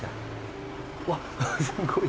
わっすごい。